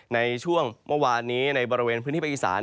ในช่วงเมื่อวานนี้ในบริเวณพื้นที่ภาคอีสาน